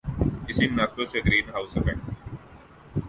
اسی مناسبت سے گرین ہاؤس ایفیکٹ